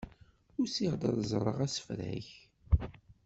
Usiɣ-d ad ẓreɣ asefrak.